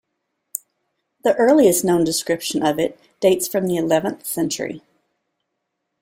The earliest known description of it dates from the eleventh century.